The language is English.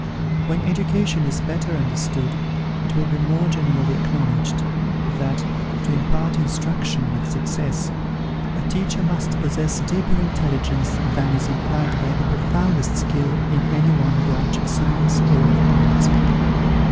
When education is better understood, it will be more generally acknowledged, that, to impart instruction with success, a teacher must possess deeper intelligence than is implied by the profoundest skill in any one branch of science or of art.